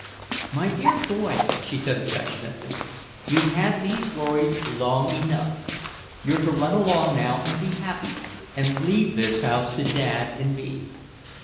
"My dear boy," she said affectionately, "you've had these worries long enough. You're to run along now and be happy and leave this house to Dad and me."